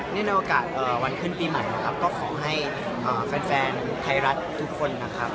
ในโอกาสวันขึ้นปีใหม่นะครับก็ขอให้แฟนไทยรัฐทุกคนนะครับ